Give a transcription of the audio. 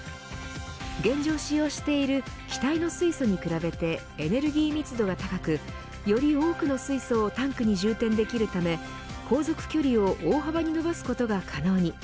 現状使用している気体の水素に比べてエネルギー密度が高くより多くの水素をタンクに充填できるため航続距離を大幅に伸ばすことが可能に。